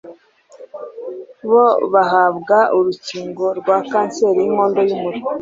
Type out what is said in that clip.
bo bahabwa urukingo rwa kanseri y’inkondo y’umura.